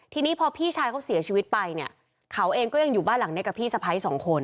ทีนี้พอพี่ชายเขาเสียชีวิตไปเนี่ย